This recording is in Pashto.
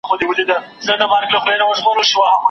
هغه چي اوس دي په مخ کي دي